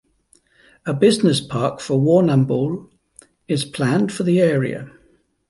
A business park for Warrnambool is planned for the area.